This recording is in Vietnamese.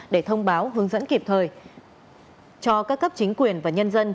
để thông báo hướng dẫn kịp thời cho các cấp chính quyền và nhân dân